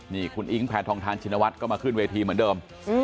นี่คุณอิ๊งแพทองทานชินวัฒน์ก็มาขึ้นเวทีเหมือนเดิม